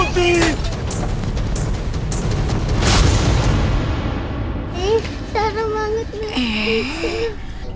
nih ini serem banget nih